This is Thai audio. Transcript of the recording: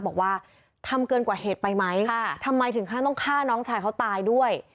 บอกว่าทำเกินกว่าเหตุไปไหมทำไมถึงขั้นต้องฆ่าน้องชายเขาตายด้วย